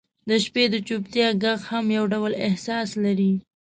• د شپې د چوپتیا ږغ هم یو ډول احساس لري.